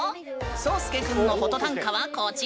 聡介くんのフォト短歌はこちら！